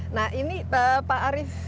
nah ini pak arief